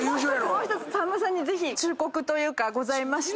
もう１つさんまさんに忠告というかございまして。